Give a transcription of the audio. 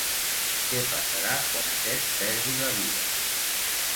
Què passarà quan aquest perdi la vida?